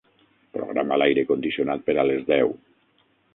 Programa l'aire condicionat per a les deu.